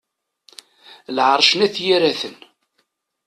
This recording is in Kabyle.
Lɛerc n At yiraten.